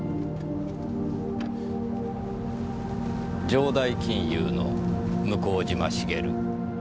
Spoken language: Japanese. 城代金融の向島茂。